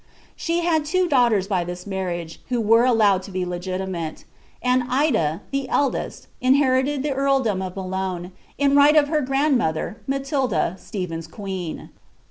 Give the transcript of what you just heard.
She had two daughters by this marriage, who were allowed to be legitimate ; and Ida, the eldest, inherited the earldom of Boologiie, in right of her grandmother, Matilda, Stephen's queen.